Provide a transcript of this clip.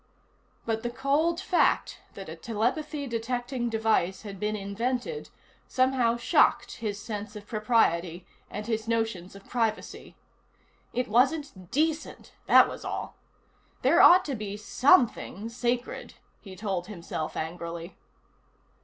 But the cold fact that a telepathy detecting device had been invented somehow shocked his sense of propriety, and his notions of privacy. It wasn't decent, that was all. There ought to be something sacred, he told himself angrily.